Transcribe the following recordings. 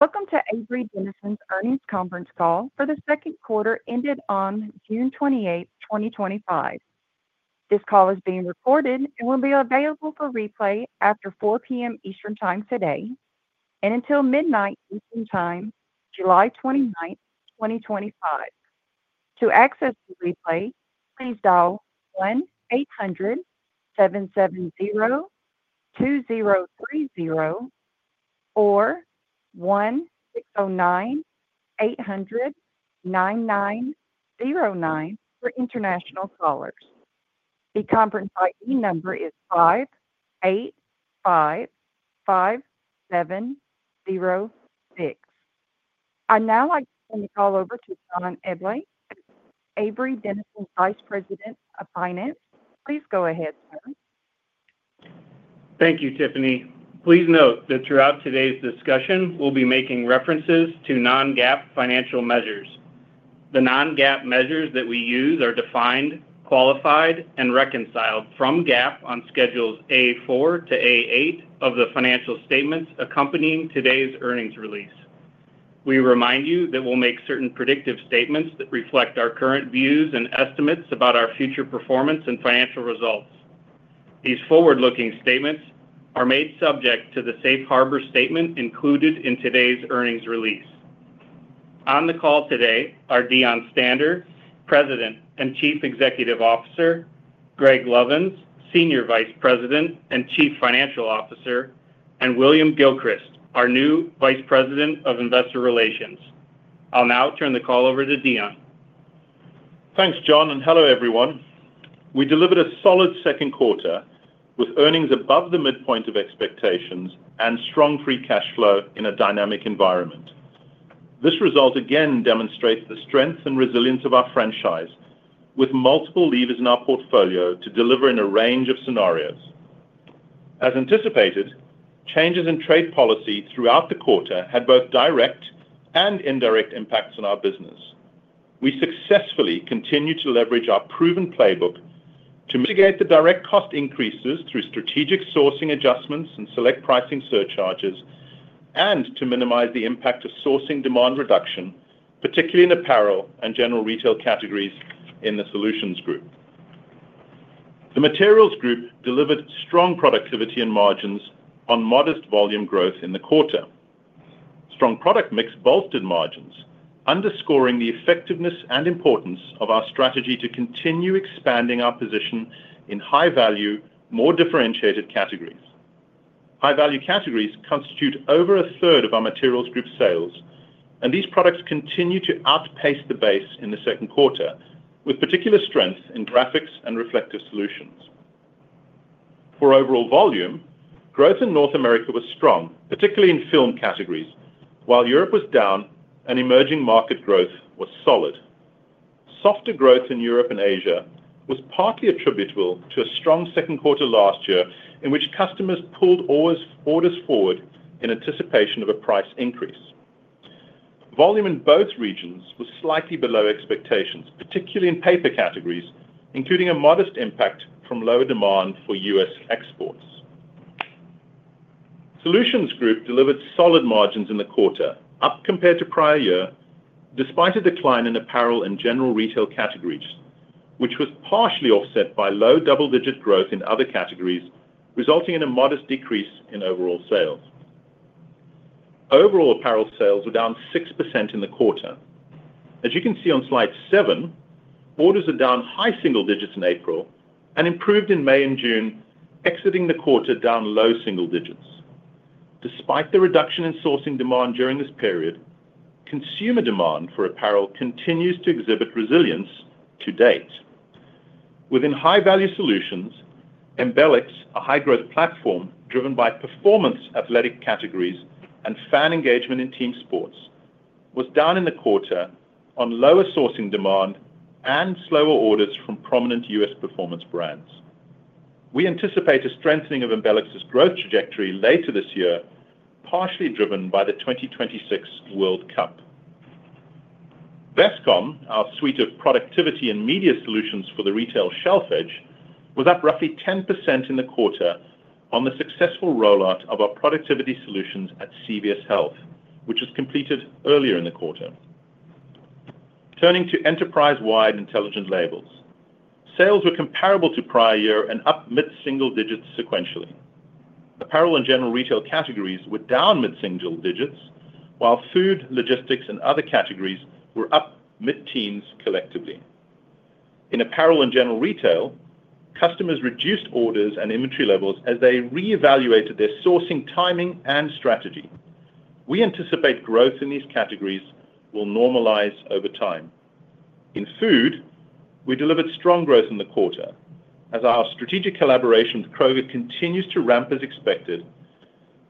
Welcome to Avery Dennison's earnings conference call for the second quarter ended on June 28, 2025. This call is being recorded and will be available for replay after 4:00 P.M. Eastern Time today and until midnight Eastern Time, July 29, 2025. To access the replay, please dial 1-800-770-2030 or 1-609-800-9909 for international callers. The conference ID number is 5855706. I now like to turn the call over to John Eble, Avery Dennison's Vice President of Finance. Please go ahead, sir. Thank you, Tiffany. Please note that throughout today's discussion, we'll be making references to non-GAAP financial measures. The non-GAAP measures that we use are defined, qualified, and reconciled from GAAP on schedules A4 to A8 of the financial statements accompanying today's earnings release. We remind you that we'll make certain predictive statements that reflect our current views and estimates about our future performance and financial results. These forward-looking statements are made subject to the safe harbor statement included in today's earnings release. On the call today are Deon Stander, President and Chief Executive Officer; Greg Lovins, Senior Vice President and Chief Financial Officer; and William Gilchrist, our new Vice President of Investor Relations. I'll now turn the call over to Deon. Thanks, John, and hello, everyone. We delivered a solid second quarter with earnings above the midpoint of expectations and strong free cash flow in a dynamic environment. This result again demonstrates the strength and resilience of our franchise, with multiple levers in our portfolio to deliver in a range of scenarios. As anticipated, changes in trade policy throughout the quarter had both direct and indirect impacts on our business. We successfully continue to leverage our proven playbook to mitigate the direct cost increases through strategic sourcing adjustments and select pricing surcharges, and to minimize the impact of sourcing demand reduction, particularly in apparel and general retail categories in the Solutions Group. The Materials Group delivered strong productivity and margins on modest volume growth in the quarter. Strong product mix bolstered margins, underscoring the effectiveness and importance of our strategy to continue expanding our position in high-value, more differentiated categories. High-value categories constitute over a third of our Materials Group sales, and these products continue to outpace the base in the second quarter, with particular strength in Graphics and Reflectives solutions. For overall volume, growth in North America was strong, particularly in film categories, while Europe was down and emerging market growth was solid. Softer growth in Europe and Asia was partly attributable to a strong second quarter last year in which customers pulled orders forward in anticipation of a price increase. Volume in both regions was slightly below expectations, particularly in paper categories, including a modest impact from lower demand for US exports. Solutions Group delivered solid margins in the quarter, up compared to prior year, despite a decline in apparel and general retail categories, which was partially offset by low double-digit growth in other categories, resulting in a modest decrease in overall sales. Overall apparel sales were down 6% in the quarter. As you can see on slide seven, orders are down high single digits in April and improved in May and June, exiting the quarter down low single digits. Despite the reduction in sourcing demand during this period, consumer demand for apparel continues to exhibit resilience to date. Within high-value solutions, Embelex, a high-growth platform driven by performance athletic categories and fan engagement in team sports, was down in the quarter on lower sourcing demand and slower orders from prominent US performance brands. We anticipate a strengthening of Embelex's growth trajectory later this year, partially driven by the 2026 World Cup. Vestcom, our suite of productivity and media solutions for the retail shelf edge, was up roughly 10% in the quarter on the successful rollout of our productivity solutions at CVS Health, which was completed earlier in the quarter. Turning to enterprise-wide Intelligent Labels, sales were comparable to prior year and up mid-single digits sequentially. Apparel and general retail categories were down mid-single digits, while food, logistics, and other categories were up mid-teens collectively. In apparel and general retail, customers reduced orders and inventory levels as they reevaluated their sourcing timing and strategy. We anticipate growth in these categories will normalize over time. In food, we delivered strong growth in the quarter as our strategic collaboration with Kroger continues to ramp as expected,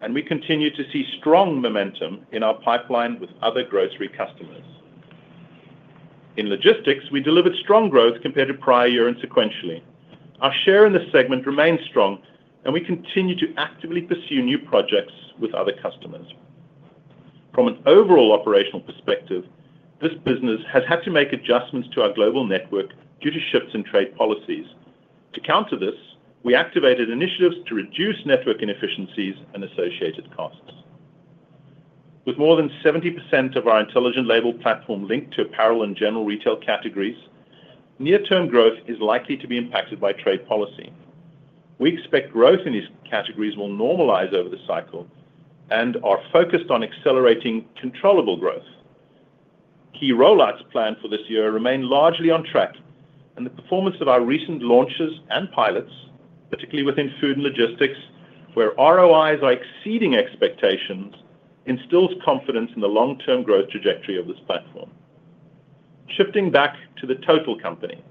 and we continue to see strong momentum in our pipeline with other grocery customers. In logistics, we delivered strong growth compared to prior year and sequentially. Our share in the segment remains strong, and we continue to actively pursue new projects with other customers. From an overall operational perspective, this business has had to make adjustments to our global network due to shifts in trade policies. To counter this, we activated initiatives to reduce network inefficiencies and associated costs. With more than 70% of our intelligent label platform linked to apparel and general retail categories, near-term growth is likely to be impacted by trade policy. We expect growth in these categories will normalize over the cycle and are focused on accelerating controllable growth. Key rollouts planned for this year remain largely on track, and the performance of our recent launches and pilots, particularly within food and logistics, where ROIs are exceeding expectations, instills confidence in the long-term growth trajectory of this platform. Shifting back to the total company.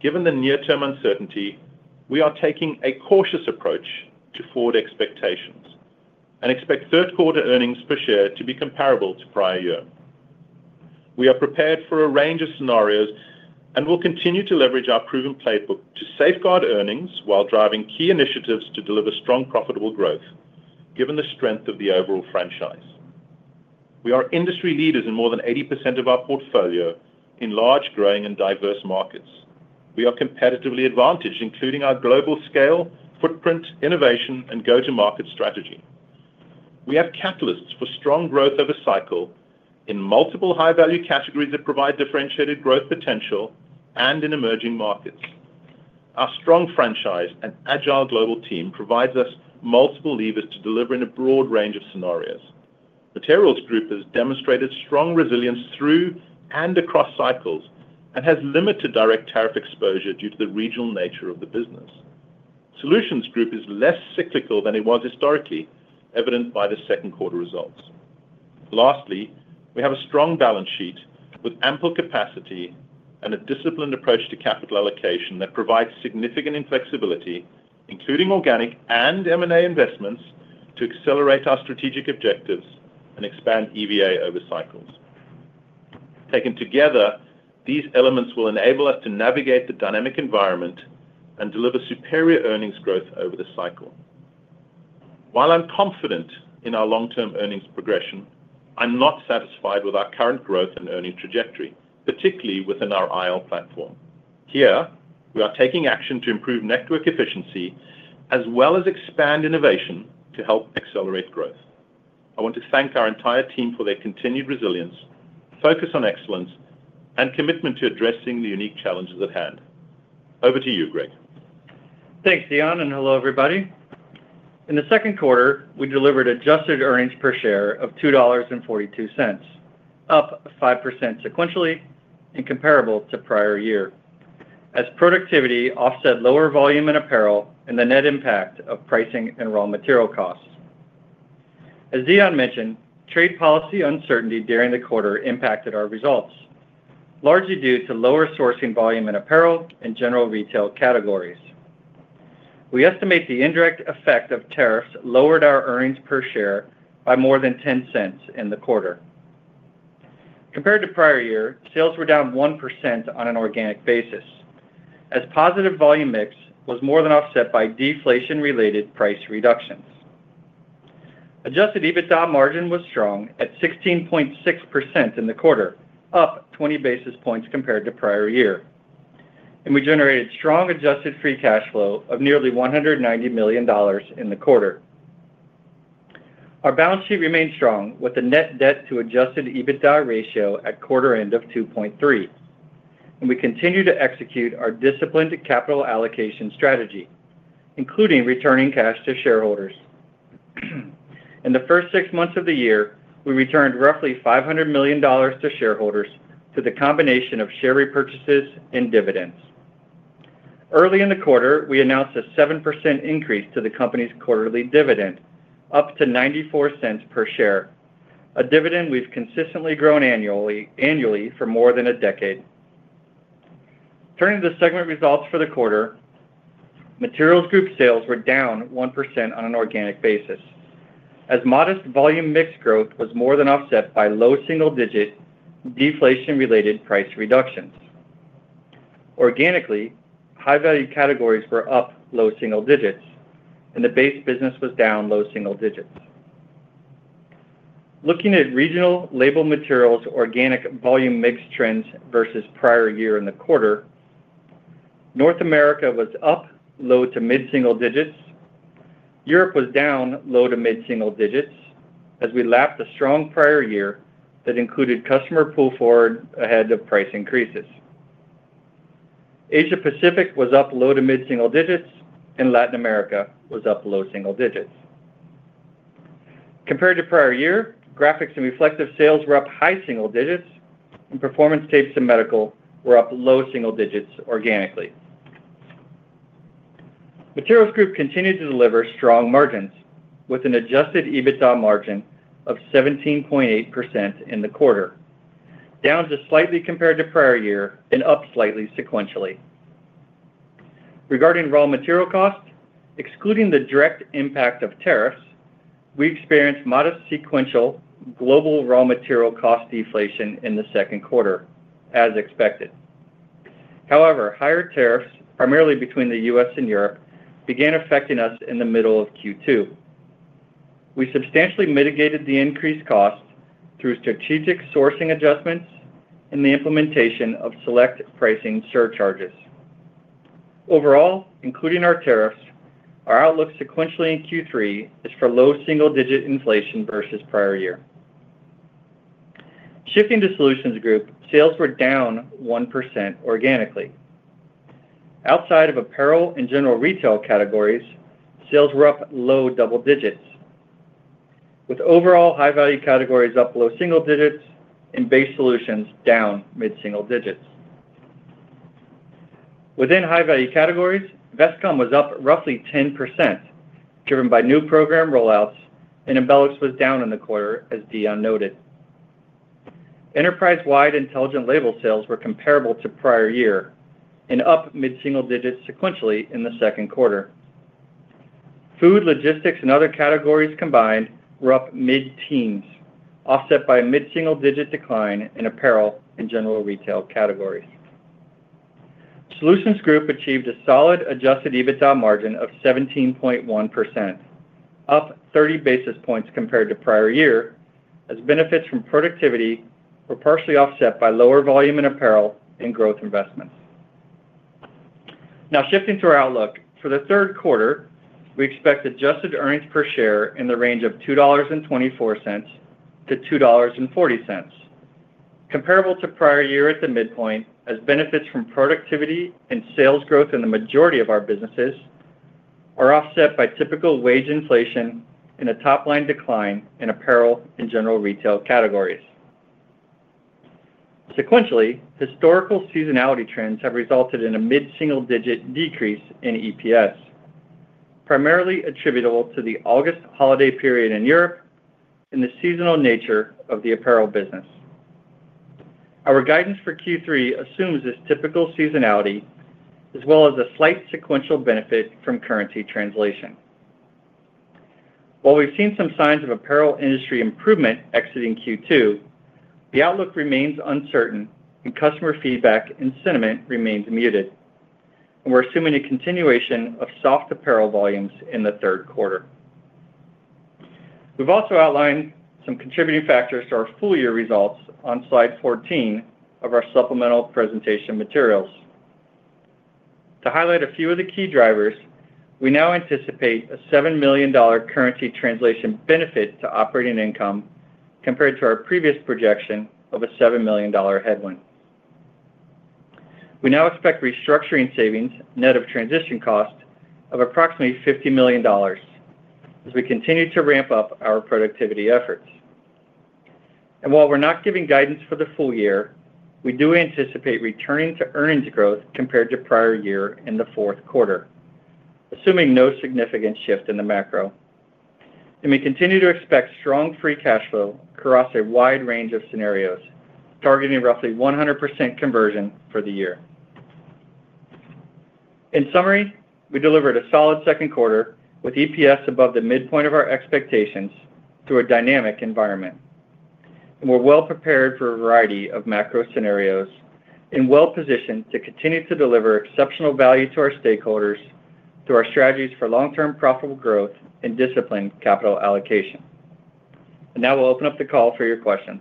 Given the near-term uncertainty, we are taking a cautious approach to forward expectations and expect third-quarter earnings per share to be comparable to prior year. We are prepared for a range of scenarios and will continue to leverage our proven playbook to safeguard earnings while driving key initiatives to deliver strong profitable growth, given the strength of the overall franchise. We are industry leaders in more than 80% of our portfolio in large, growing, and diverse markets. We are competitively advantaged, including our global scale, footprint, innovation, and go-to-market strategy. We have catalysts for strong growth over cycle in multiple high-value categories that provide differentiated growth potential and in emerging markets. Our strong franchise and agile global team provides us multiple levers to deliver in a broad range of scenarios. Materials Group has demonstrated strong resilience through and across cycles and has limited direct tariff exposure due to the regional nature of the business. Solutions Group is less cyclical than it was historically, evident by the second-quarter results. Lastly, we have a strong balance sheet with ample capacity and a disciplined approach to capital allocation that provides significant flexibility, including organic and M&A investments, to accelerate our strategic objectives and expand EVA over cycles. Taken together, these elements will enable us to navigate the dynamic environment and deliver superior earnings growth over the cycle. While I'm confident in our long-term earnings progression, I'm not satisfied with our current growth and earnings trajectory, particularly within our IL platform. Here, we are taking action to improve network efficiency as well as expand innovation to help accelerate growth. I want to thank our entire team for their continued resilience, focus on excellence, and commitment to addressing the unique challenges at hand. Over to you, Greg. Thanks, Deon. Hello, everybody. In the second quarter, we delivered adjusted earnings per share of $2.42, up 5% sequentially and comparable to prior year, as productivity offset lower volume in apparel and the net impact of pricing and raw material costs. As Deon mentioned, trade policy uncertainty during the quarter impacted our results, largely due to lower sourcing volume in apparel and general retail categories. We estimate the indirect effect of tariffs lowered our earnings per share by more than $0.10 in the quarter. Compared to prior year, sales were down 1% on an organic basis, as positive volume mix was more than offset by deflation-related price reductions. Adjusted EBITDA margin was strong at 16.6% in the quarter, up 20 basis points compared to prior year. We generated strong adjusted free cash flow of nearly $190 million in the quarter. Our balance sheet remained strong with a net debt-to-adjusted EBITDA ratio at quarter-end of 2.3. We continue to execute our disciplined capital allocation strategy, including returning cash to shareholders. In the first six months of the year, we returned roughly $500 million to shareholders through the combination of share repurchases and dividends. Early in the quarter, we announced a 7% increase to the company's quarterly dividend, up to $0.94 per share, a dividend we have consistently grown annually for more than a decade. Turning to the segment results for the quarter, Materials Group sales were down 1% on an organic basis, as modest volume mix growth was more than offset by low single-digit deflation-related price reductions. Organically, high-value categories were up low single digits, and the base business was down low single digits. Looking at regional label materials organic volume mix trends versus prior year in the quarter, North America was up low to mid-single digits. Europe was down low to mid-single digits as we lapped a strong prior year that included customer pull forward ahead of price increases. Asia-Pacific was up low to mid-single digits, and Latin America was up low single digits. Compared to prior year, graphics and reflective sales were up high single digits, and performance tapes and medical were up low single digits organically. Materials Group continued to deliver strong margins with an adjusted EBITDA margin of 17.8% in the quarter, down just slightly compared to prior year and up slightly sequentially. Regarding raw material costs, excluding the direct impact of tariffs, we experienced modest sequential global raw material cost deflation in the second quarter, as expected. However, higher tariffs, primarily between the U.S. and Europe, began affecting us in the middle of Q2. We substantially mitigated the increased costs through strategic sourcing adjustments and the implementation of select pricing surcharges. Overall, including our tariffs, our outlook sequentially in Q3 is for low single-digit inflation versus prior year. Shifting to Solutions Group, sales were down 1% organically. Outside of apparel and general retail categories, sales were up low double digits. With overall high-value categories up low single digits and base solutions down mid-single digits. Within high-value categories, Vestcom was up roughly 10%, driven by new program rollouts. Embelex was down in the quarter, as Deon noted. Enterprise-wide Intelligent Labels sales were comparable to prior year and up mid-single digits sequentially in the second quarter. Food, logistics, and other categories combined were up mid-teens, offset by a mid-single digit decline in apparel and general retail categories. Solutions Group achieved a solid adjusted EBITDA margin of 17.1%, up 30 basis points compared to prior year, as benefits from productivity were partially offset by lower volume in apparel and growth investments. Now, shifting to our outlook, for the third quarter, we expect adjusted earnings per share in the range of $2.24-$2.40, comparable to prior year at the midpoint, as benefits from productivity and sales growth in the majority of our businesses are offset by typical wage inflation and a top-line decline in apparel and general retail categories. Sequentially, historical seasonality trends have resulted in a mid-single digit decrease in EPS, primarily attributable to the August holiday period in Europe and the seasonal nature of the apparel business. Our guidance for Q3 assumes this typical seasonality as well as a slight sequential benefit from currency translation. While we've seen some signs of apparel industry improvement exiting Q2, the outlook remains uncertain and customer feedback and sentiment remains muted. We are assuming a continuation of soft apparel volumes in the third quarter. We have also outlined some contributing factors to our full year results on slide 14 of our supplemental presentation materials. To highlight a few of the key drivers, we now anticipate a $7 million currency translation benefit to operating income compared to our previous projection of a $7 million headwind. We now expect restructuring savings, net of transition cost, of approximately $50 million as we continue to ramp up our productivity efforts. While we are not giving guidance for the full year, we do anticipate returning to earnings growth compared to prior year in the fourth quarter, assuming no significant shift in the macro. We continue to expect strong free cash flow across a wide range of scenarios, targeting roughly 100% conversion for the year. In summary, we delivered a solid second quarter with EPS above the midpoint of our expectations through a dynamic environment. We are well prepared for a variety of macro scenarios and well positioned to continue to deliver exceptional value to our stakeholders through our strategies for long-term profitable growth and disciplined capital allocation. Now we will open up the call for your questions.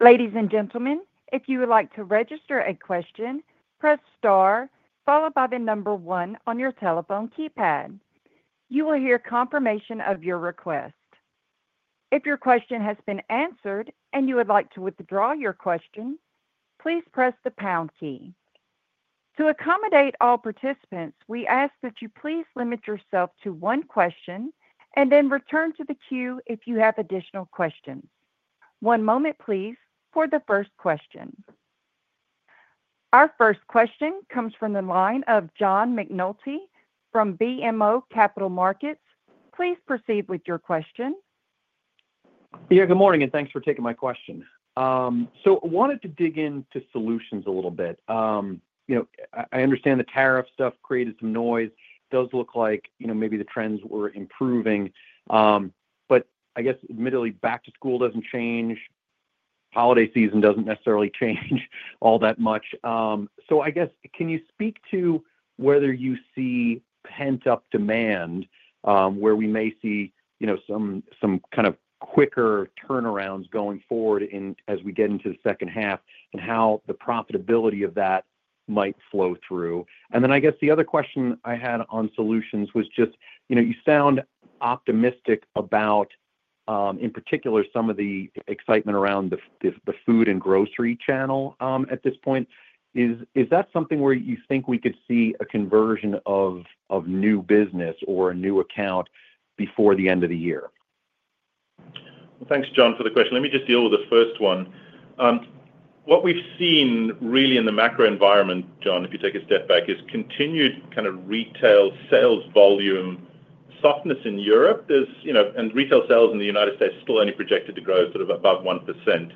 Ladies and gentlemen, if you would like to register a question, press star followed by the number one on your telephone keypad. You will hear confirmation of your request. If your question has been answered and you would like to withdraw your question, please press the pound key. To accommodate all participants, we ask that you please limit yourself to one question and then return to the queue if you have additional questions. One moment, please, for the first question. Our first question comes from the line of John McNulty from BMO Capital Markets. Please proceed with your question. Yeah, good morning and thanks for taking my question. I wanted to dig into solutions a little bit. I understand the tariff stuff created some noise. Does look like maybe the trends were improving. I guess admittedly, back to school does not change. Holiday season does not necessarily change all that much. I guess, can you speak to whether you see pent-up demand where we may see some kind of quicker turnarounds going forward as we get into the second half and how the profitability of that might flow through? The other question I had on solutions was just you sound optimistic about, in particular, some of the excitement around the food and grocery channel at this point. Is that something where you think we could see a conversion of new business or a new account before the end of the year? Thanks, John, for the question. Let me just deal with the first one. What we've seen really in the macro environment, John, if you take a step back, is continued kind of retail sales volume softness in Europe. Retail sales in the United States still only projected to grow sort of above 1%.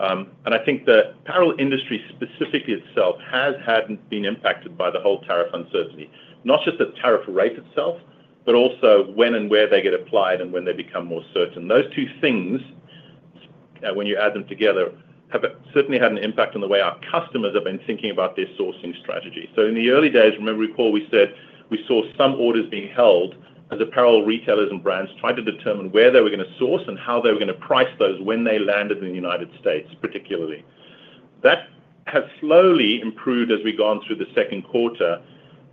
I think the apparel industry specifically itself has had been impacted by the whole tariff uncertainty, not just the tariff rate itself, but also when and where they get applied and when they become more certain. Those two things, when you add them together, have certainly had an impact on the way our customers have been thinking about their sourcing strategy. In the early days, remember we said we saw some orders being held as apparel retailers and brands tried to determine where they were going to source and how they were going to price those when they landed in the United States, particularly. That has slowly improved as we've gone through the second quarter,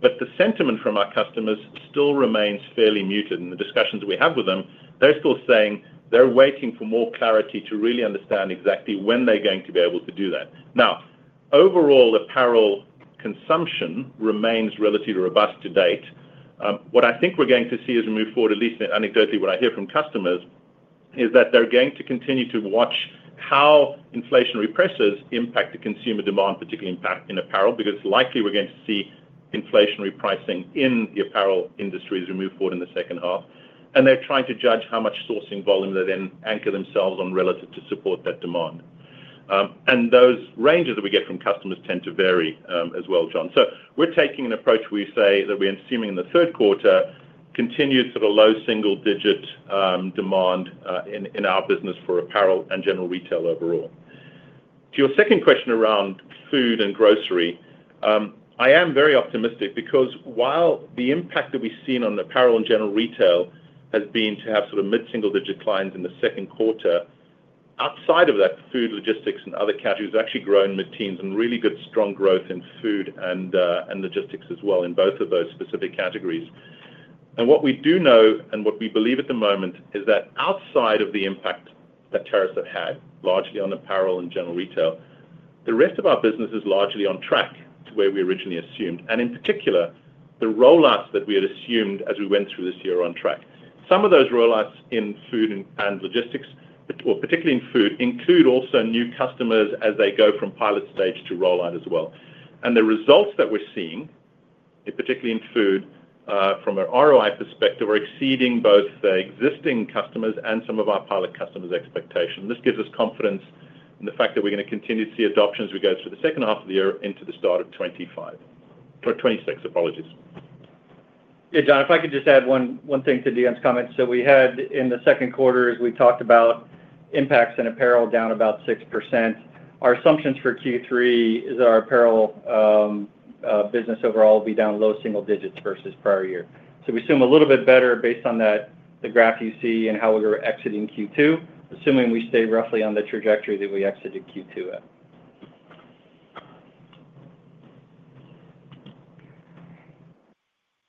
but the sentiment from our customers still remains fairly muted. The discussions we have with them, they're still saying they're waiting for more clarity to really understand exactly when they're going to be able to do that. Now, overall, apparel consumption remains relatively robust to date. What I think we're going to see as we move forward, at least anecdotally what I hear from customers, is that they're going to continue to watch how inflationary pressures impact the consumer demand, particularly impact in apparel, because likely we're going to see inflationary pricing in the apparel industry as we move forward in the second half. They're trying to judge how much sourcing volume they then anchor themselves on relative to support that demand. Those ranges that we get from customers tend to vary as well, John. We're taking an approach where you say that we're assuming in the third quarter, continued sort of low single-digit demand in our business for apparel and general retail overall. To your second question around food and grocery. I am very optimistic because while the impact that we've seen on apparel and general retail has been to have sort of mid-single digit clients in the second quarter, outside of that, food, logistics, and other categories have actually grown mid-teens and really good strong growth in food and logistics as well in both of those specific categories. What we do know and what we believe at the moment is that outside of the impact that tariffs have had, largely on apparel and general retail, the rest of our business is largely on track to where we originally assumed. In particular, the rollouts that we had assumed as we went through this year are on track. Some of those rollouts in food and logistics, or particularly in food, include also new customers as they go from pilot stage to rollout as well. The results that we're seeing, particularly in food, from an ROI perspective, are exceeding both the existing customers and some of our pilot customers' expectations. This gives us confidence in the fact that we're going to continue to see adoption as we go through the second half of the year into the start of 2025. Sorry, 2026, apologies. Yeah, John, if I could just add one thing to Deon's comment. We had in the second quarter, as we talked about, impacts in apparel, down about 6%. Our assumptions for Q3 are that our apparel business overall will be down low single digits versus prior year. We assume a little bit better based on the graph you see and how we were exiting Q2, assuming we stay roughly on the trajectory that we exited Q2 at.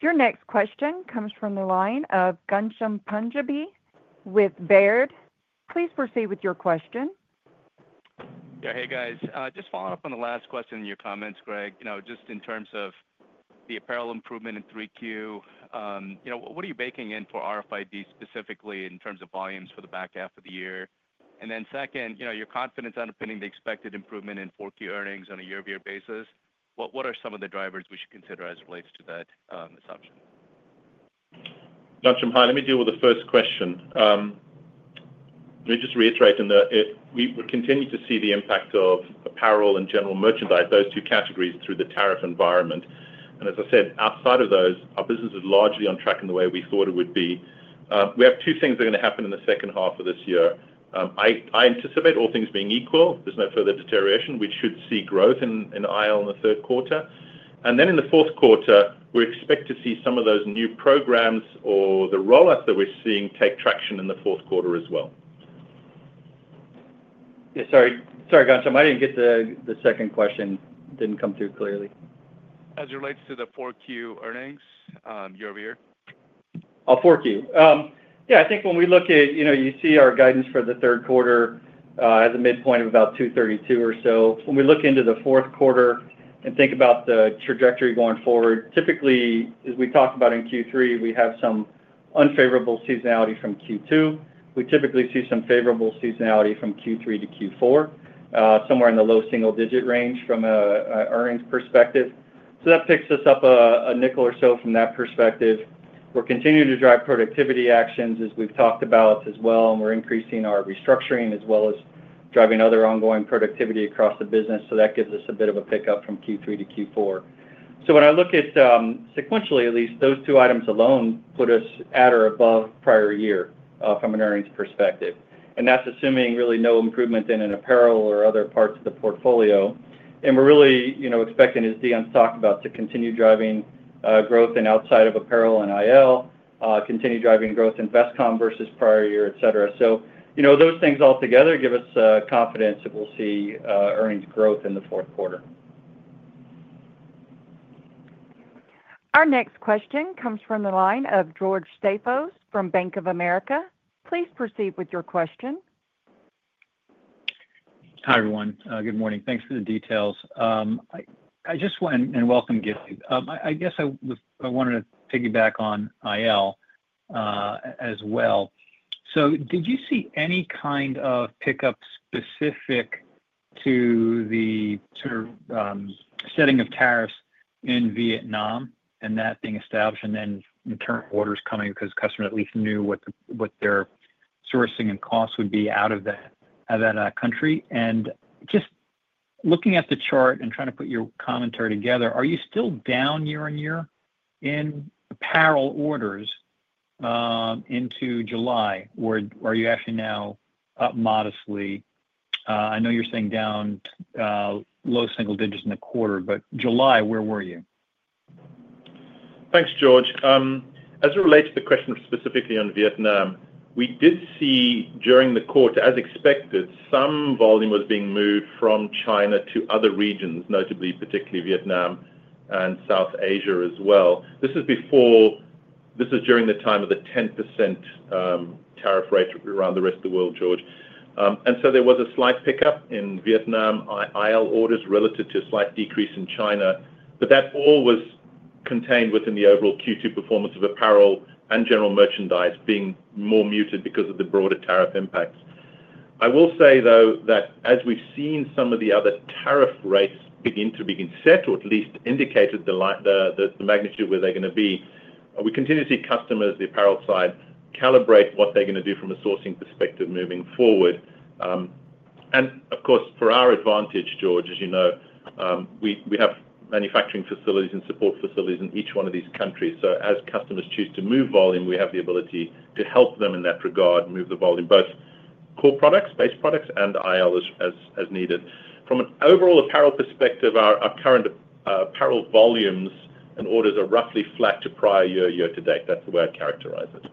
Your next question comes from the line of Ghansham Panjabi with Baird. Please proceed with your question. Yeah, hey guys. Just following up on the last question in your comments, Greg, just in terms of the apparel improvement in 3Q. What are you baking in for RFID specifically in terms of volumes for the back half of the year? Then second, your confidence underpinning the expected improvement in 4Q earnings on a year-over-year basis, what are some of the drivers we should consider as it relates to that assumption? Ghansham, hi let me deal with the first question. Let me just reiterate in that we continue to see the impact of apparel and general merchandise, those two categories, through the tariff environment. As I said, outside of those, our business is largely on track in the way we thought it would be. We have two things that are going to happen in the second half of this year. I anticipate all things being equal. If there is no further deterioration, we should see growth in IL in the third quarter. In the fourth quarter, we expect to see some of those new programs or the rollouts that we are seeing take traction in the fourth quarter as well. Yeah, sorry, Ghansham. I didn't get the second question. Didn't come through clearly. As it relates to the 4Q earnings, year-over-year. Oh, 4Q. Yeah, I think when we look at, you see our guidance for the third quarter as a midpoint of about $2.32 or so. When we look into the fourth quarter and think about the trajectory going forward, typically, as we talked about in Q3, we have some unfavorable seasonality from Q2. We typically see some favorable seasonality from Q3 to Q4, somewhere in the low single-digit range from an earnings perspective. That picks us up a nickel or so from that perspective. We're continuing to drive productivity actions as we've talked about as well, and we're increasing our restructuring as well as driving other ongoing productivity across the business. That gives us a bit of a pickup from Q3 to Q4. When I look at sequentially, at least, those two items alone put us at or above prior year from an earnings perspective. That's assuming really no improvement in apparel or other parts of the portfolio. We're really expecting, as Deon has talked about, to continue driving growth outside of apparel and IL, continue driving growth in Vestcom versus prior year, etc. Those things altogether give us confidence that we'll see earnings growth in the fourth quarter. Our next question comes from the line of George Staphos from Bank of America. Please proceed with your question. Hi, everyone. Good morning. Thanks for the details. I just want to welcome Gilly. I guess I wanted to piggyback on IL as well. Did you see any kind of pickup specific to the setting of tariffs in Vietnam and that being established, and then in turn orders coming because customers at least knew what their sourcing and costs would be out of that country? Just looking at the chart and trying to put your commentary together, are you still down year-on-year in apparel orders into July, or are you actually now up modestly? I know you're saying down low single digits in the quarter, but July, where were you? Thanks, George. As it relates to the question specifically on Vietnam, we did see during the quarter, as expected, some volume was being moved from China to other regions, notably particularly Vietnam and South Asia as well. This is during the time of the 10% tariff rate around the rest of the world, George. There was a slight pickup in Vietnam IL orders relative to a slight decrease in China, but that all was contained within the overall Q2 performance of apparel and general merchandise being more muted because of the broader tariff impacts. I will say, though, that as we've seen some of the other tariff rates begin to be set or at least indicated, the magnitude where they're going to be, we continue to see customers, the apparel side, calibrate what they're going to do from a sourcing perspective moving forward. Of course, for our advantage, George, as you know, we have manufacturing facilities and support facilities in each one of these countries. As customers choose to move volume, we have the ability to help them in that regard, move the volume, both core products, base products, and IL as needed. From an overall apparel perspective, our current apparel volumes and orders are roughly flat to prior year year to date. That's the way I'd characterize it.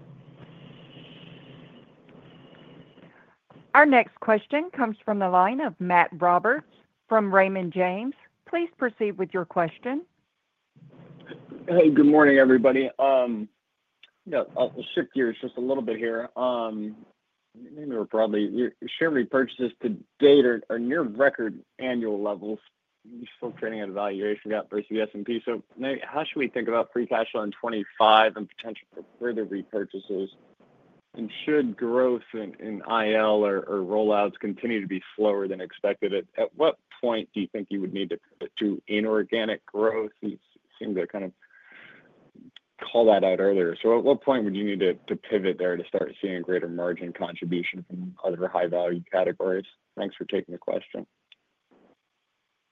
Our next question comes from the line of Matt Roberts from Raymond James. Please proceed with your question. Hey, good morning, everybody. I'll shift gears just a little bit here. Share repurchases to date are near record annual levels. We're still trading at a valuation gap versus the S&P. How should we think about free cash flow in 2025 and potential for further repurchases? Should growth in IL or rollouts continue to be slower than expected, at what point do you think you would need to pivot to inorganic growth? You seemed to kind of call that out earlier. At what point would you need to pivot there to start seeing a greater margin contribution from other high-value categories? Thanks for taking the question.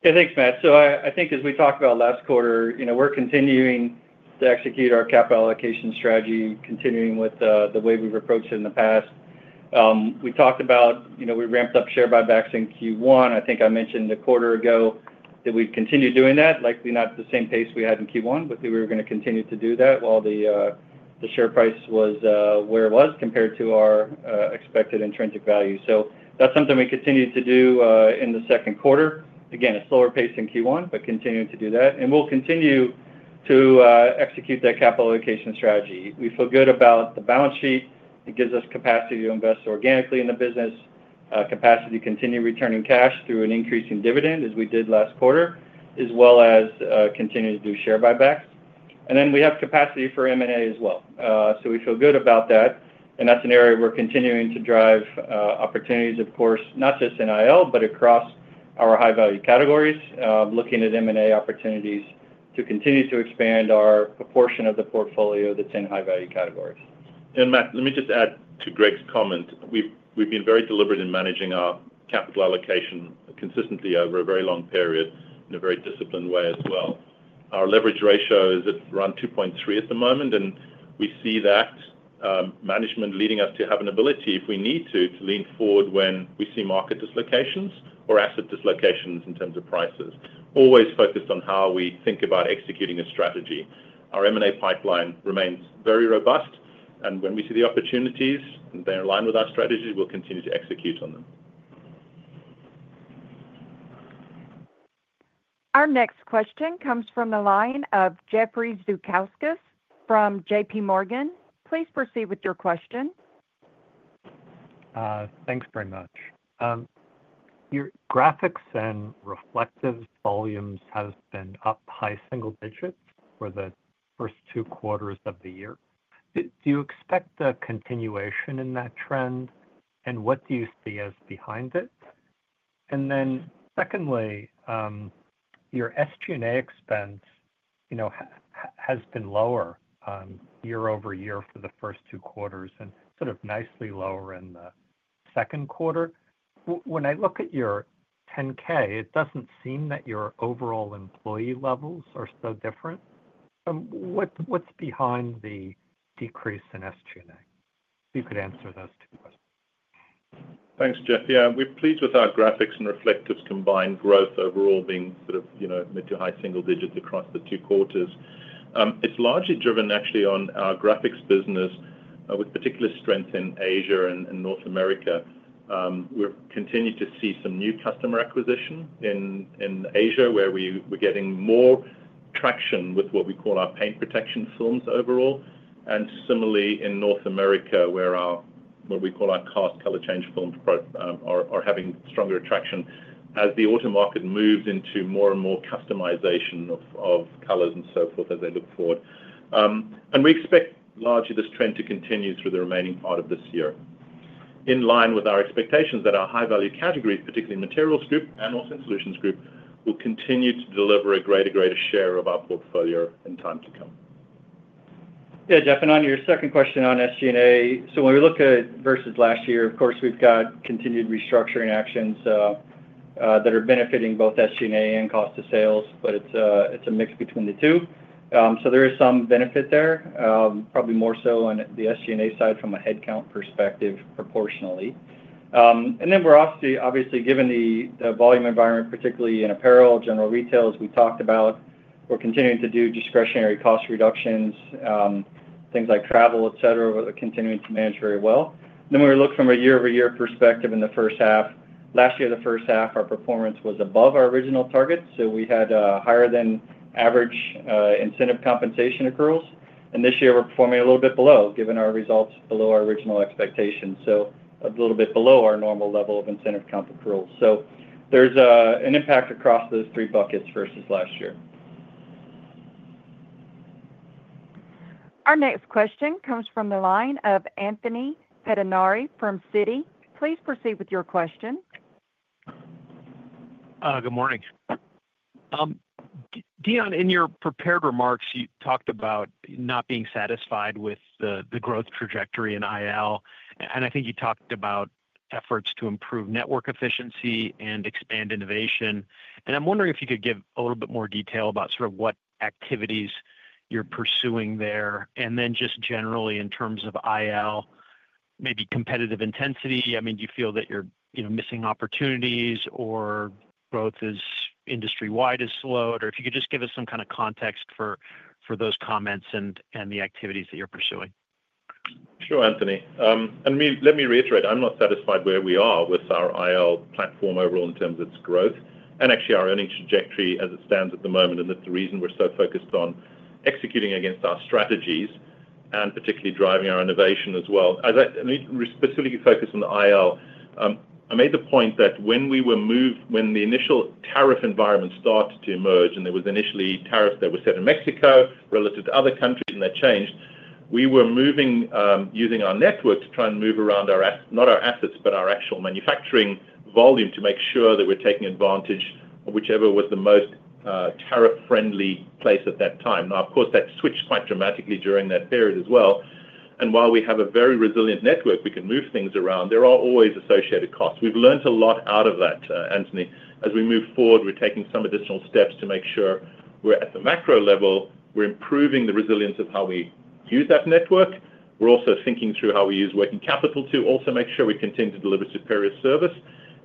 Yeah, thanks, Matt. I think as we talked about last quarter, we're continuing to execute our capital allocation strategy, continuing with the way we've approached it in the past. We talked about we ramped up share buybacks in Q1. I think I mentioned a quarter ago that we'd continue doing that, likely not at the same pace we had in Q1, but we were going to continue to do that while the share price was where it was compared to our expected intrinsic value. That's something we continue to do in the second quarter. Again, a slower pace than Q1, but continuing to do that. We'll continue to execute that capital allocation strategy. We feel good about the balance sheet. It gives us capacity to invest organically in the business, capacity to continue returning cash through an increasing dividend as we did last quarter, as well as continue to do share buybacks. We have capacity for M&A as well. We feel good about that. That's an area we're continuing to drive opportunities, of course, not just in IL, but across our high-value categories, looking at M&A opportunities to continue to expand our proportion of the portfolio that's in high-value categories. Matt, let me just add to Greg's comment. We've been very deliberate in managing our capital allocation consistently over a very long period in a very disciplined way as well. Our leverage ratio is around 2.3 at the moment, and we see that. Management leading us to have an ability, if we need to, to lean forward when we see market dislocations or asset dislocations in terms of prices, always focused on how we think about executing a strategy. Our M&A pipeline remains very robust, and when we see the opportunities and they align with our strategy, we'll continue to execute on them. Our next question comes from the line of Jeffrey Zukowskus from JP Morgan. Please proceed with your question. Thanks very much. Your Graphics and Reflectives volumes have been up high single digits for the first two quarters of the year. Do you expect a continuation in that trend, and what do you see as behind it? Secondly, your SG&A expense has been lower year-over-year for the first two quarters and sort of nicely lower in the second quarter. When I look at your 10K, it does not seem that your overall employee levels are so different. What is behind the decrease in SG&A? You could answer those two questions. Thanks, Jeff. Yeah, we're pleased with our Graphics and Reflectives combined growth overall being sort of mid to high single digits across the two quarters. It's largely driven actually on our Graphics business, with particular strength in Asia and North America. We've continued to see some new customer acquisition in Asia where we're getting more traction with what we call our paint protection films overall. Similarly, in North America, what we call our cast color change films are having stronger traction as the auto market moves into more and more customization of colors and so forth as they look forward. We expect largely this trend to continue through the remaining part of this year, in line with our expectations that our high-value categories, particularly Materials Group and also Solutions Group, will continue to deliver a greater share of our portfolio in times to come. Yeah, Jeff, and on your second question on SG&A, when we look at versus last year, of course, we've got continued restructuring actions that are benefiting both SG&A and cost of sales, but it's a mix between the two. There is some benefit there, probably more so on the SG&A side from a headcount perspective proportionally. We're obviously, given the volume environment, particularly in apparel, general retail as we talked about, continuing to do discretionary cost reductions, things like travel, etc., continuing to manage very well. When we look from a year-over-year perspective in the first half, last year, the first half, our performance was above our original target. We had higher than average incentive compensation accruals. This year, we're performing a little bit below, given our results below our original expectations. A little bit below our normal level of incentive comp accruals. There's an impact across those three buckets versus last year. Our next question comes from the line of Anthony Pettinari from Citi. Please proceed with your question. Good morning. Deon, in your prepared remarks, you talked about not being satisfied with the growth trajectory in IL. I think you talked about efforts to improve network efficiency and expand innovation. I'm wondering if you could give a little bit more detail about sort of what activities you're pursuing there. Just generally in terms of IL, maybe competitive intensity, I mean, do you feel that you're missing opportunities or growth is industry-wide is slowed? If you could just give us some kind of context for those comments and the activities that you're pursuing. Sure, Anthony. Let me reiterate, I'm not satisfied where we are with our IL platform overall in terms of its growth and actually our earnings trajectory as it stands at the moment, and the reason we're so focused on executing against our strategies and particularly driving our innovation as well. Specifically focused on the IL, I made the point that when we were moved, when the initial tariff environment started to emerge and there was initially tariffs that were set in Mexico relative to other countries and that changed, we were moving, using our network to try and move around not our assets, but our actual manufacturing volume to make sure that we're taking advantage of whichever was the most tariff-friendly place at that time. Of course, that switched quite dramatically during that period as well. While we have a very resilient network, we can move things around, there are always associated costs. We've learned a lot out of that, Anthony. As we move forward, we're taking some additional steps to make sure we're at the macro level, we're improving the resilience of how we use that network. We're also thinking through how we use working capital to also make sure we continue to deliver superior service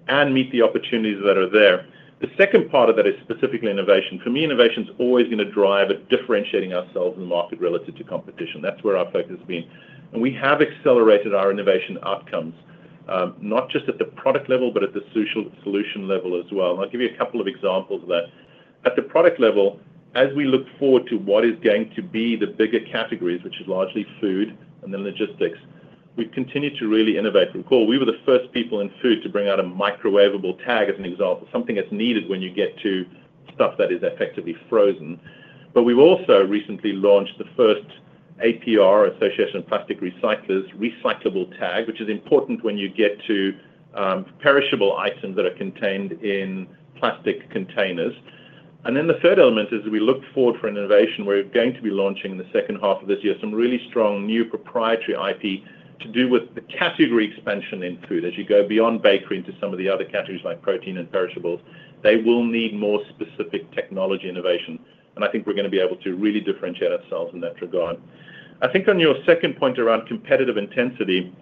and meet the opportunities that are there. The second part of that is specifically innovation. For me, innovation is always going to drive differentiating ourselves in the market relative to competition. That's where our focus has been. We have accelerated our innovation outcomes, not just at the product level, but at the solution level as well. I'll give you a couple of examples of that. At the product level, as we look forward to what is going to be the bigger categories, which is largely food and then logistics, we've continued to really innovate. Recall, we were the first people in food to bring out a microwavable tag, as an example, something that's needed when you get to stuff that is effectively frozen. We've also recently launched the first APR, Association of Plastic Recyclers, recyclable tag, which is important when you get to perishable items that are contained in plastic containers. The third element is we look forward for innovation. We're going to be launching in the second half of this year some really strong new proprietary IP to do with the category expansion in food. As you go beyond bakery into some of the other categories like protein and perishables, they will need more specific technology innovation. I think we're going to be able to really differentiate ourselves in that regard. I think on your second point around competitive intensity,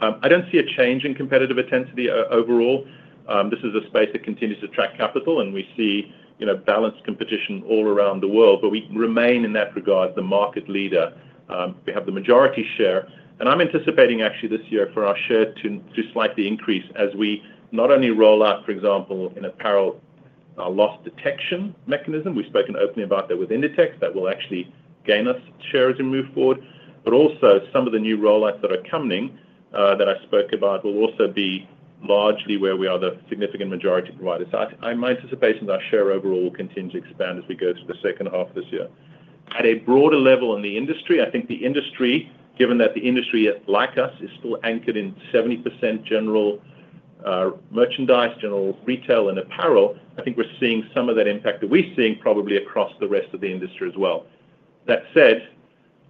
I don't see a change in competitive intensity overall. This is a space that continues to attract capital, and we see balanced competition all around the world. We remain in that regard the market leader. We have the majority share. I'm anticipating actually this year for our share to slightly increase as we not only roll out, for example, in apparel, our loss detection mechanism. We spoke openly about that with Inditex that will actually gain us shares as we move forward. Also, some of the new rollouts that are coming that I spoke about will also be largely where we are the significant majority providers. My anticipation is our share overall will continue to expand as we go through the second half of this year. At a broader level in the industry, I think the industry, given that the industry like us is still anchored in 70% general merchandise, general retail, and apparel, I think we're seeing some of that impact that we're seeing probably across the rest of the industry as well. That said,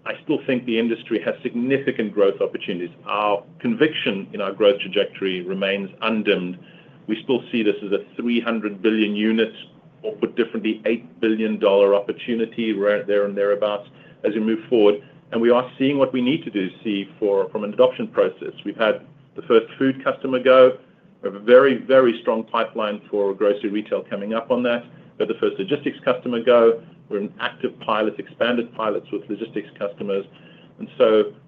I still think the industry has significant growth opportunities. Our conviction in our growth trajectory remains undimmed. We still see this as a 300 billion units, or put differently, $8 billion opportunity right there and thereabouts as we move forward. We are seeing what we need to do see from an adoption process. We've had the first food customer go. We have a very, very strong pipeline for grocery retail coming up on that. We have the first logistics customer go. We're in active pilots, expanded pilots with logistics customers.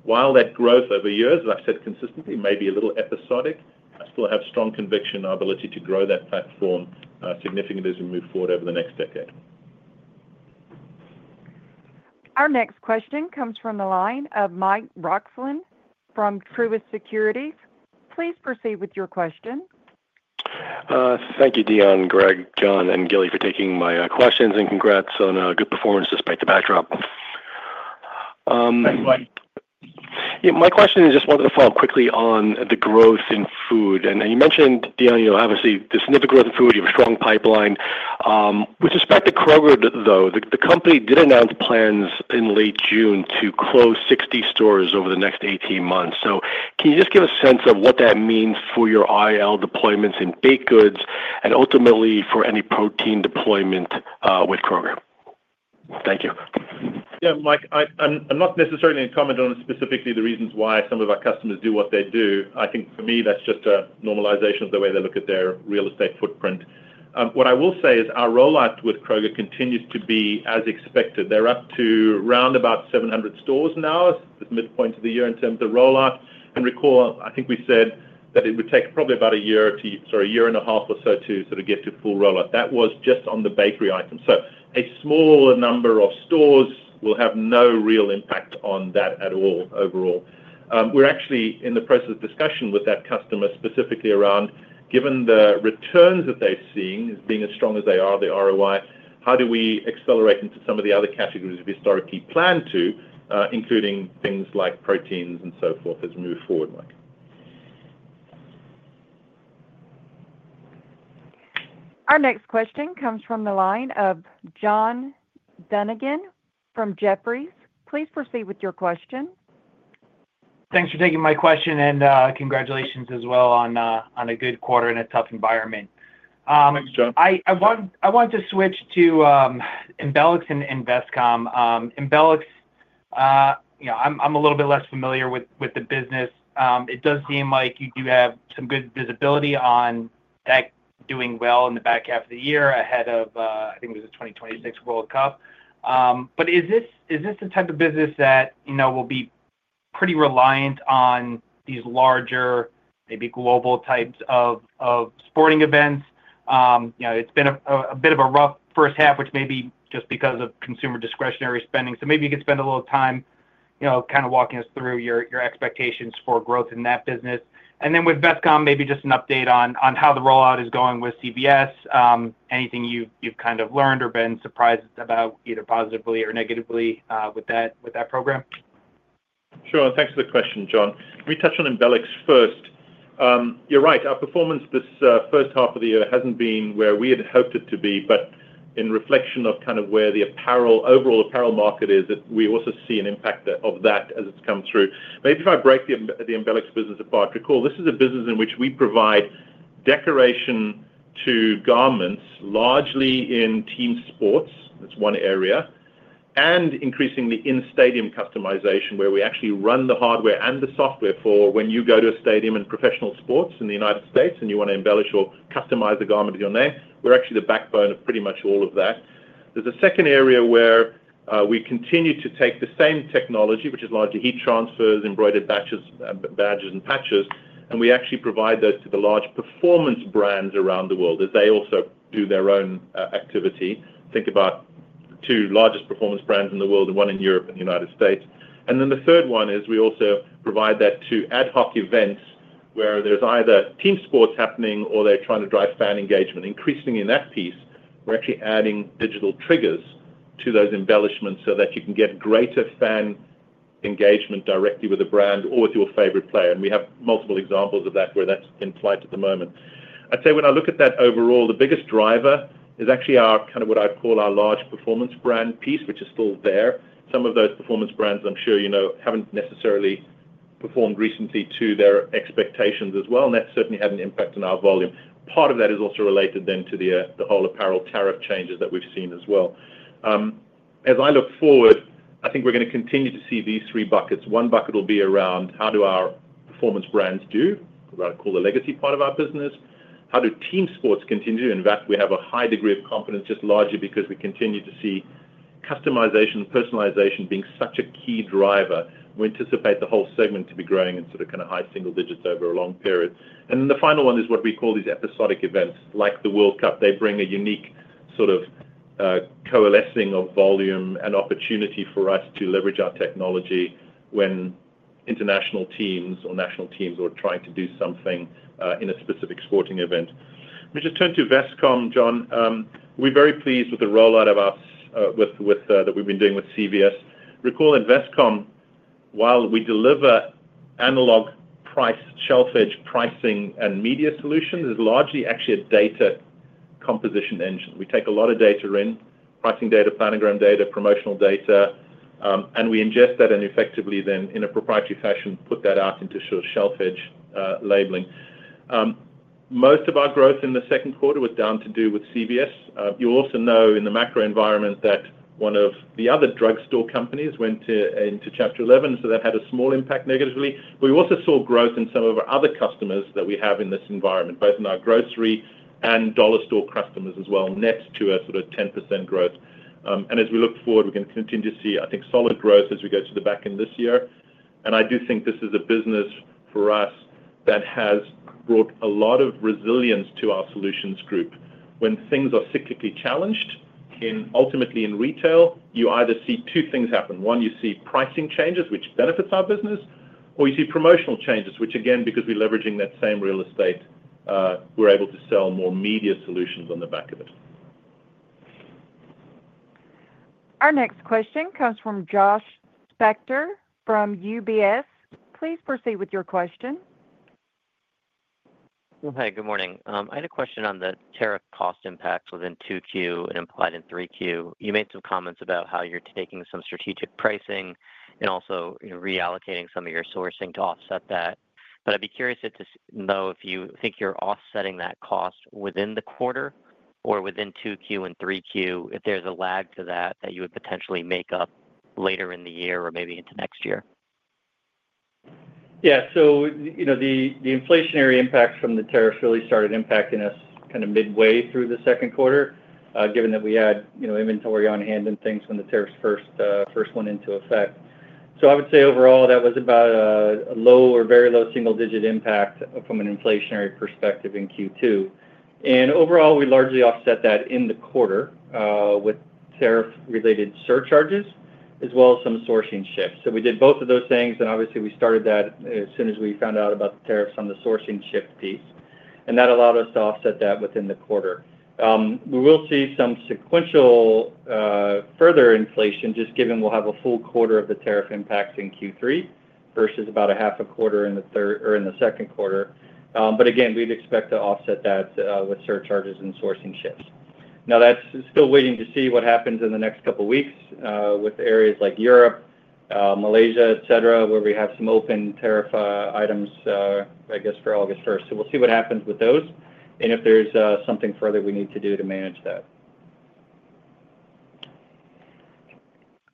While that growth over years, as I've said consistently, may be a little episodic, I still have strong conviction in our ability to grow that platform significantly as we move forward over the next decade. Our next question comes from the line of Mike Roxland from Truist Securities. Please proceed with your question. Thank you, Deon, Greg, John, and Gilly for taking my questions and congrats on good performance despite the backdrop. Thanks, Mike. Yeah, my question is just wanted to follow up quickly on the growth in food. And you mentioned, Deon, obviously, the significant growth in food, you have a strong pipeline. With respect to Kroger, though, the company did announce plans in late June to close 60 stores over the next 18 months. Can you just give a sense of what that means for your IL deployments in baked goods and ultimately for any protein deployment with Kroger? Thank you. Yeah, Mike, I'm not necessarily going to comment on specifically the reasons why some of our customers do what they do. I think for me, that's just a normalization of the way they look at their real estate footprint. What I will say is our rollout with Kroger continues to be as expected. They're up to around about 700 stores now, the midpoint of the year in terms of rollout. Recall, I think we said that it would take probably about a year to, sorry, a year and a half or so to sort of get to full rollout. That was just on the bakery item. A smaller number of stores will have no real impact on that at all overall. We're actually in the process of discussion with that customer specifically around, given the returns that they're seeing, being as strong as they are, the ROI, how do we accelerate into some of the other categories we've historically planned to, including things like proteins and so forth as we move forward, Mike. Our next question comes from the line of John Dunnigan from Jeffries. Please proceed with your question. Thanks for taking my question and congratulations as well on a good quarter in a tough environment. Thanks, John. I want to switch to Embelex and Vestcom. Embelex, I'm a little bit less familiar with the business. It does seem like you do have some good visibility on tech doing well in the back half of the year ahead of, I think it was a 2026 World Cup. Is this the type of business that will be pretty reliant on these larger, maybe global types of sporting events? It's been a bit of a rough first half, which may be just because of consumer discretionary spending. Maybe you could spend a little time kind of walking us through your expectations for growth in that business. With Vestcom, maybe just an update on how the rollout is going with CVS. Anything you've kind of learned or been surprised about, either positively or negatively, with that program? Sure. Thanks for the question, John. Let me touch on Embelex first. You're right. Our performance this first half of the year hasn't been where we had hoped it to be, but in reflection of kind of where the overall apparel market is, we also see an impact of that as it's come through. Maybe if I break the Embelex business apart, recall, this is a business in which we provide decoration to garments, largely in team sports. That's one area. And increasingly in stadium customization, where we actually run the hardware and the software for when you go to a stadium in professional sports in the United States and you want to embellish or customize the garment of your name. We're actually the backbone of pretty much all of that. There's a second area where we continue to take the same technology, which is largely heat transfers, embroidered badges, and patches, and we actually provide those to the large performance brands around the world as they also do their own activity. Think about two largest performance brands in the world and one in Europe and the United States. And then the third one is we also provide that to ad hoc events where there's either team sports happening or they're trying to drive fan engagement. Increasingly in that piece, we're actually adding digital triggers to those embellishments so that you can get greater fan engagement directly with a brand or with your favorite player. And we have multiple examples of that where that's in flight at the moment. I'd say when I look at that overall, the biggest driver is actually kind of what I'd call our large performance brand piece, which is still there. Some of those performance brands, I'm sure you know, haven't necessarily performed recently to their expectations as well. And that certainly had an impact on our volume. Part of that is also related then to the whole apparel tariff changes that we've seen as well. As I look forward, I think we're going to continue to see these three buckets. One bucket will be around how do our performance brands do? What I'd call the legacy part of our business. How do team sports continue to do? In fact, we have a high degree of confidence just largely because we continue to see customization and personalization being such a key driver. We anticipate the whole segment to be growing in sort of kind of high single digits over a long period. And then the final one is what we call these episodic events like the World Cup. They bring a unique sort of coalescing of volume and opportunity for us to leverage our technology when international teams or national teams are trying to do something in a specific sporting event. Let me just turn to Vestcom, John. We're very pleased with the rollout of that we've been doing with CVS. Recall that Vestcom, while we deliver analog price shelf edge pricing and media solutions, is largely actually a data composition engine. We take a lot of data in, pricing data, planogram data, promotional data, and we ingest that and effectively then in a proprietary fashion put that out into shelf edge labeling. Most of our growth in the second quarter was down to do with CVS. You also know in the macro environment that one of the other drugstore companies went into Chapter 11, so that had a small impact negatively. We also saw growth in some of our other customers that we have in this environment, both in our grocery and dollar store customers as well, next to a sort of 10% growth. As we look forward, we can continue to see, I think, solid growth as we go to the back end this year. I do think this is a business for us that has brought a lot of resilience to our solutions group. When things are cyclically challenged, ultimately in retail, you either see two things happen. One, you see pricing changes, which benefits our business, or you see promotional changes, which again, because we're leveraging that same real estate, we're able to sell more media solutions on the back of it. Our next question comes from Josh Spector from UBS. Please proceed with your question. Hi, good morning. I had a question on the tariff cost impacts within 2Q and implied in 3Q. You made some comments about how you're taking some strategic pricing and also reallocating some of your sourcing to offset that. I'd be curious to know if you think you're offsetting that cost within the quarter or within 2Q and 3Q, if there's a lag to that that you would potentially make up later in the year or maybe into next year. Yeah. The inflationary impacts from the tariffs really started impacting us kind of midway through the second quarter, given that we had inventory on hand and things when the tariffs first went into effect. I would say overall, that was about a low or very low single digit impact from an inflationary perspective in Q2. Overall, we largely offset that in the quarter with tariff-related surcharges as well as some sourcing shifts. We did both of those things. Obviously, we started that as soon as we found out about the tariffs on the sourcing shift piece. That allowed us to offset that within the quarter. We will see some sequential further inflation, just given we will have a full quarter of the tariff impacts in Q3 versus about a half a quarter in the second quarter. Again, we would expect to offset that with surcharges and sourcing shifts. Now, that is still waiting to see what happens in the next couple of weeks with areas like Europe, Malaysia, etc., where we have some open tariff items, I guess, for August 1st. We will see what happens with those and if there is something further we need to do to manage that.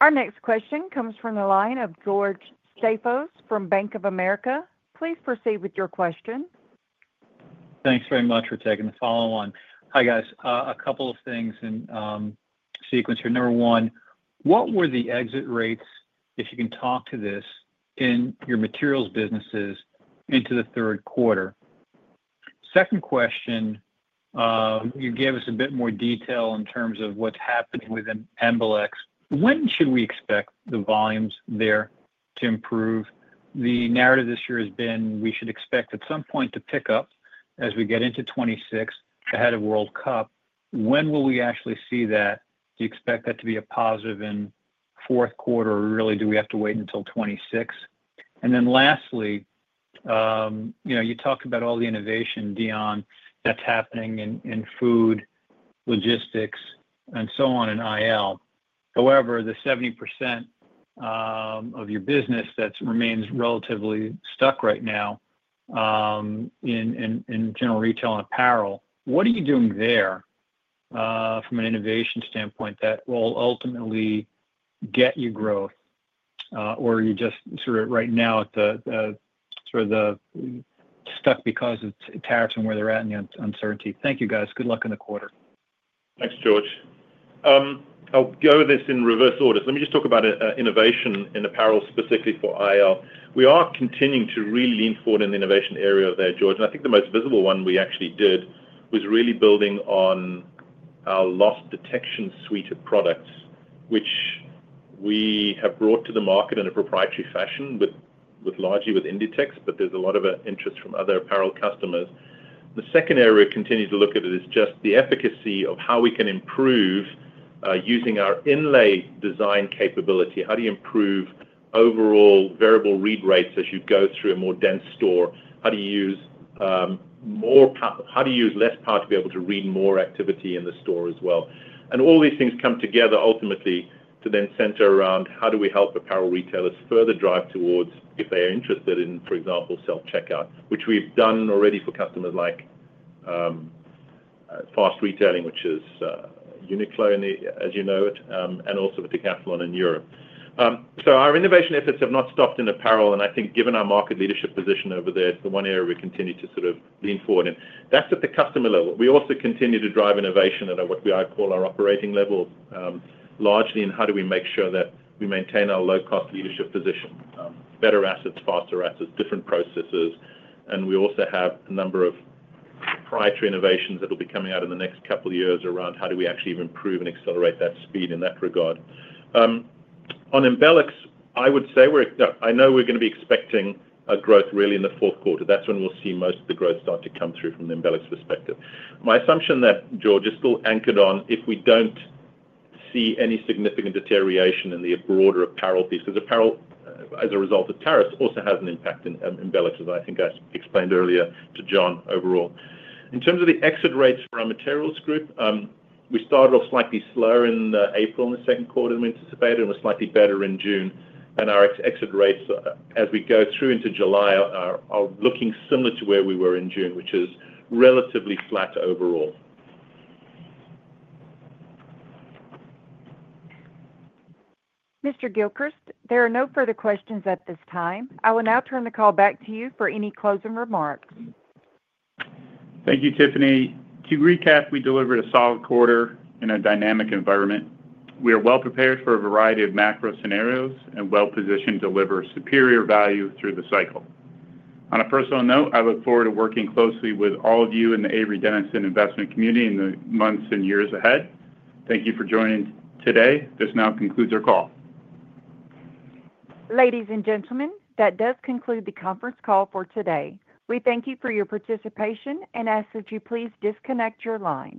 Our next question comes from the line of George Staphos from Bank of America. Please proceed with your question. Thanks very much for taking the follow-on. Hi, guys. A couple of things in sequence here. Number one, what were the exit rates, if you can talk to this, in your materials businesses into the third quarter? Second question. You gave us a bit more detail in terms of what's happening with Embelex. When should we expect the volumes there to improve? The narrative this year has been we should expect at some point to pick up as we get into 2026 ahead of World Cup. When will we actually see that? Do you expect that to be a positive in fourth quarter, or really do we have to wait until 2026? And then lastly, you talked about all the innovation, Deon, that's happening in food, logistics, and so on in IL. However, the 70% of your business that remains relatively stuck right now in general retail and apparel, what are you doing there from an innovation standpoint that will ultimately get you growth? Or are you just sort of right now at the sort of the stuck because of tariffs and where they're at and the uncertainty? Thank you, guys. Good luck in the quarter. Thanks, George. I'll go with this in reverse order. Let me just talk about innovation in apparel specifically for IL. We are continuing to really lean forward in the innovation area there, George. I think the most visible one we actually did was really building on our loss detection suite of products, which we have brought to the market in a proprietary fashion, largely with Inditex, but there's a lot of interest from other apparel customers. The second area we continue to look at is just the efficacy of how we can improve using our inlay design capability. How do you improve overall variable read rates as you go through a more dense store? How do you use more power? How do you use less power to be able to read more activity in the store as well? All these things come together ultimately to then center around how do we help apparel retailers further drive towards, if they are interested in, for example, self-checkout, which we've done already for customers like Fast Retailing, which is Uniqlo, as you know it, and also for Decathlon in Europe. Our innovation efforts have not stopped in apparel. I think given our market leadership position over there, it's the one area we continue to sort of lean forward in. That's at the customer level. We also continue to drive innovation at what I call our operating level, largely in how do we make sure that we maintain our low-cost leadership position, better assets, faster assets, different processes. We also have a number of proprietary innovations that will be coming out in the next couple of years around how do we actually improve and accelerate that speed in that regard. On Embelex, I would say I know we're going to be expecting a growth really in the fourth quarter. That's when we'll see most of the growth start to come through from the Embelex perspective. My assumption, George, is still anchored on if we don't see any significant deterioration in the broader apparel piece, because apparel as a result of tariffs also has an impact in Embelex, as I think I explained earlier to John overall. In terms of the exit rates for our materials group, we started off slightly slower in April in the second quarter than we anticipated and were slightly better in June. Our exit rates, as we go through into July, are looking similar to where we were in June, which is relatively flat overall. Mr. Gilchrist, there are no further questions at this time. I will now turn the call back to you for any closing remarks. Thank you, Tiffany. To recap, we delivered a solid quarter in a dynamic environment. We are well prepared for a variety of macro scenarios and well positioned to deliver superior value through the cycle. On a personal note, I look forward to working closely with all of you in the Avery Dennison investment community in the months and years ahead. Thank you for joining today. This now concludes our call. Ladies and gentlemen, that does conclude the conference call for today. We thank you for your participation and ask that you please disconnect your line.